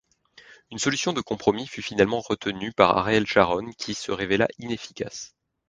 Une solution de compromis fut finalement retenue par Ariel Sharon qui se révéla inefficace.